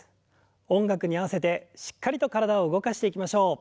音楽に合わせてしっかりと体を動かしていきましょう。